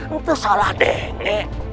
itu salah deng